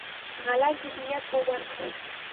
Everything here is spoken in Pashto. غلط ذهنیت به ورکړي.